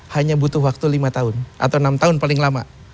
hanya butuh waktu lima tahun atau enam tahun paling lama